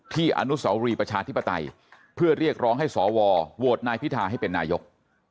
อนุสาวรีประชาธิปไตยเพื่อเรียกร้องให้สวโหวตนายพิธาให้เป็นนายก